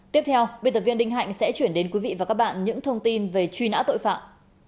tiếp theo biên tập viên đinh hạnh sẽ chuyển đến quý vị và các bạn những thông tin về truy nã tội phạm